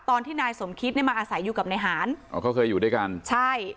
ตอนที่นายสมคิดเนี่ยมาอาศัยอยู่กับนายหานอ๋อเขาเคยอยู่ด้วยกันใช่